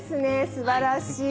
すばらしい。